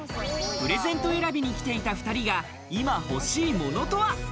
プレゼント選びに来ていた２人が今欲しいものとは？